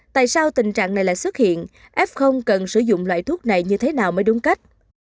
tại sao tình trạng này lại xuất hiện f cần sử dụng loại thuốc này như thế nào mới đúng cách